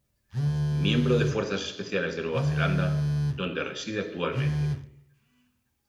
Miembro de fuerzas especiales de Nueva Zelanda, donde reside actualmente.